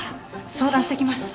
相談してきます。